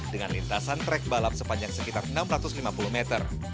dengan lintasan trek balap sepanjang sekitar enam ratus lima puluh meter